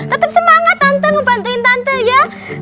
tetap semangat tante ngebantuin tante ya